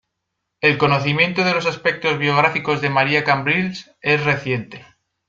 El conocimiento de los aspectos biográficos de María Cambrils es reciente.